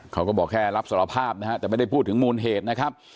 เขาก็บอกแค่รับสารภาพนะฮะแต่ไม่ได้พูดถึงมูลเหตุนะครับ